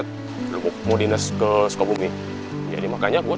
tuh lihat ini remnya plung